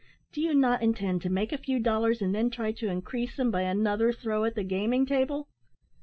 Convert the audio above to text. Do you not intend to make a few dollars, and then try to increase them by another throw at the gaming table!"